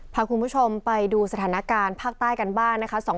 พาคุณผู้ชมไปดูสถานการณ์ภาคใต้กันบ้างนะคะ